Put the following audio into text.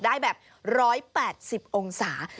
ได้แบบ๑๘๐องศา